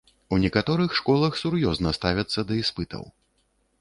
У некаторых школах сур'ёзна ставяцца да іспытаў.